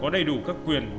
tất cả các chuyên nghiệp